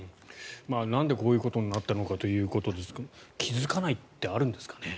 なんでこういうことになったのかということですが気付かないってあるんですかね。